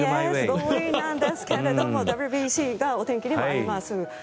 強引なんですけどＷＢＣがお天気にもあります。